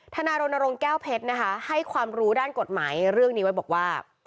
นารณรงค์แก้วเพชรนะคะให้ความรู้ด้านกฎหมายเรื่องนี้ไว้บอกว่า